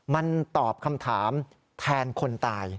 มันตอบคำถามแทนคนตาย